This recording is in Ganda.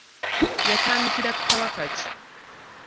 Lwatandikira ku Kabaka ki?